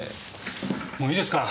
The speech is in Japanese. もういいですか。